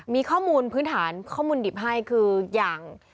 มีข้อมูลพื้นฐานข้อมูลดิบให้คืออย่าง